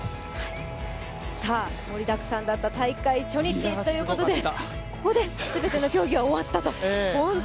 盛りだくさんだった大会初日ということで、ここで全ての競技が終わったと。